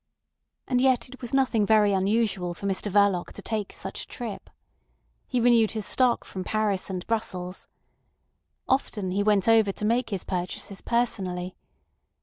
And yet it was nothing very unusual for Mr Verloc to take such a trip. He renewed his stock from Paris and Brussels. Often he went over to make his purchases personally.